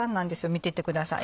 見ててください。